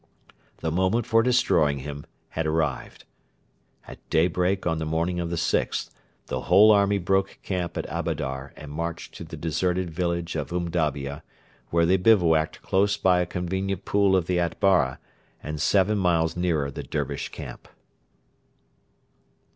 The moment for destroying him had arrived. At daybreak on the morning of the 6th the whole army broke camp at Abadar and marched to the deserted village of Umdabia, where they bivouacked close by a convenient pool of the Atbara and seven miles nearer the Dervish camp.